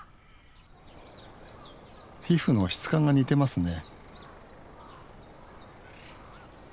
皮膚の質感が似てますね